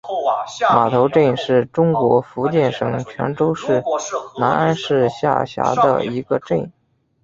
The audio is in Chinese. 码头镇是中国福建省泉州市南安市下辖的一个镇。